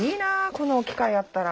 この機械あったら。